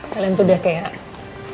kalian tuh udah kayak